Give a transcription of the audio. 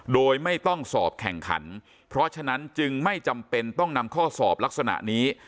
โดยไม่ต้องสอบแข่งขันเพราะฉะนั้นจึงไม่จำเป็นต้องนำข้อสอบลักษณะนี้